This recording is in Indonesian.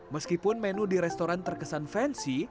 meskipun menu di restoran terkesan fansy